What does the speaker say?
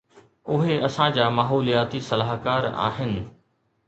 اهي اسان جا ماحولياتي صلاحڪار آهن.